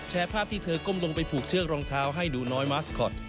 ภาพที่เธอก้มลงไปผูกเชือกรองเท้าให้หนูน้อยมาสคอต